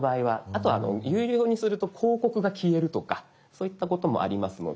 あとは有料にすると広告が消えるとかそういったこともありますので。